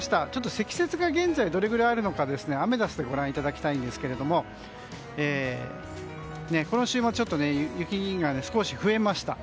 積雪が現在どれくらいあるのかアメダスでご覧いただきたいんですがこの週末、雪が少し増えました。